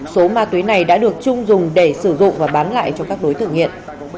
số ma túy này đã được trung dùng để sử dụng và bán lại cho các đối tượng nghiện